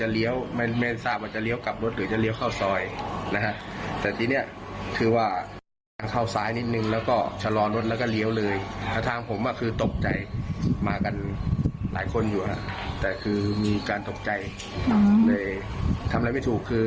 เลยทำอะไรไม่ถูกคือ